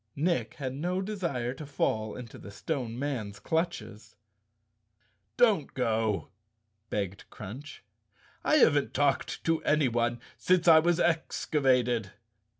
Nick had no desire to fall into the Stone Man's clutches. "Don't go," begged Crunch. "I haven't talked to anyone since I was excavated."